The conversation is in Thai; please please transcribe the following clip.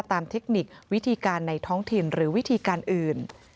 เทคนิควิธีการในท้องถิ่นหรือวิธีการอื่น